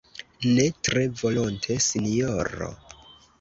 ne tre volonte, sinjoro.